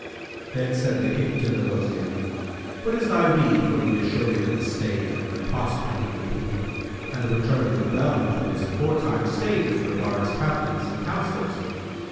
Then said the King to the Wazir, "What is thy rede for the assuring of the state and the prospering of the people and the return of the realm to its aforetime state as regards Captains and Councillors?"